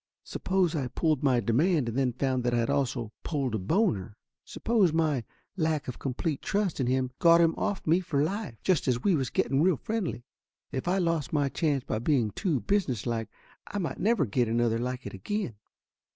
Suppose I pulled my demand and then found that I had also pulled a boner? Suppose my lack of complete trust in him got him off me for life, just as we was getting real friendly? If I lost my chance by being too business like I might never get another like it again.